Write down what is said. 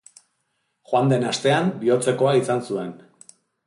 Joan den astean bihotzekoa izan zuen.